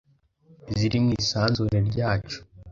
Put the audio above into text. ziri mu isanzure ryacu.